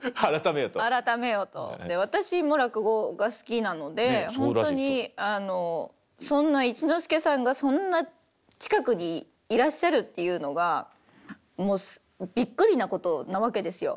私も落語が好きなのでほんとにあのそんな一之輔さんがそんな近くにいらっしゃるっていうのがもうびっくりなことなわけですよ。